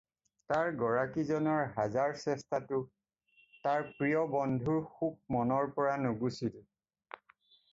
তাৰ গৰাকী জনৰ হাজাৰ চেষ্টাতো তাৰ প্ৰিয় বন্ধুৰ শোক মনৰ পৰা নুগুচিল।